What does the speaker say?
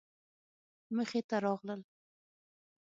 مخې ته راغلل.